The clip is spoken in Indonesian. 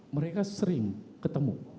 mereka sering ketemu